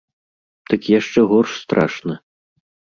Дык яшчэ горш страшна.